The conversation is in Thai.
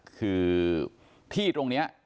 คือที่ตรงนี้